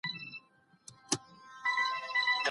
امنیتي تدابیر باید تل نوي شي او احتمالي ګواښونه کم کړي.